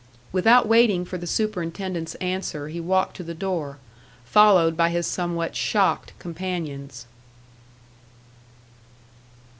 Without waiting for the superintendent's answer, he walked to the door, followed by his somewhat shocked companions.